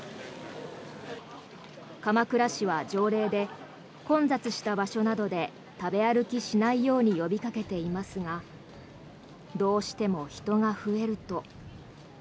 鎌倉市は条例で混雑した場所などで食べ歩きしないように呼びかけていますがどうしても人が増えると。